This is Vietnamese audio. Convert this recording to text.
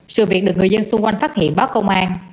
sự việc được người dân xung quanh phát hiện báo công an